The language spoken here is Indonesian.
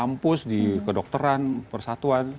kampus di kedokteran persatuan